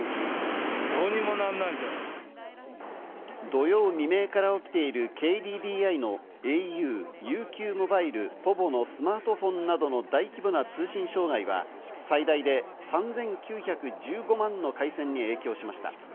土曜未明から起きているＫＤＤＩのａｕ、ＵＱモバイル、ｐｏｖｏのスマートフォンなどの大規模な通信障害は最大で３９１５万の回線に影響しました。